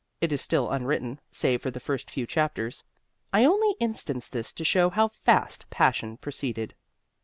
It is still unwritten, save the first few chapters. I only instance this to show how fast passion proceeded.